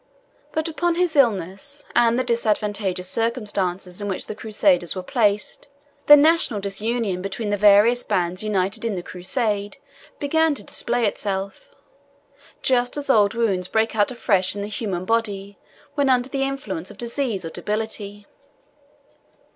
But upon his illness, and the disadvantageous circumstances in which the Crusaders were placed, the national disunion between the various bands united in the Crusade, began to display itself, just as old wounds break out afresh in the human body when under the influence of disease or debility.